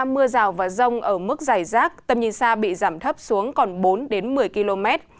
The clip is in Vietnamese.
mưa rào và rông ở mức dài rác tầm nhìn xa bị giảm thấp xuống còn bốn đến một mươi km